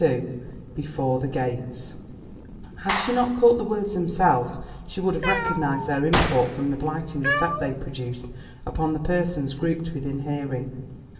XXII BEFORE THE GATES Had she not caught the words themselves she would have recognised their import from the blighting effect they produced upon the persons grouped within hearing.